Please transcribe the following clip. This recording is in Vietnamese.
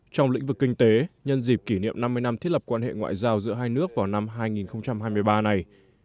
trong lĩnh vực kinh tế nhân dịp kỷ niệm năm mươi năm thiết lập quan hệ ngoại giao giữa hai nước vào năm hai nghìn hai mươi ba này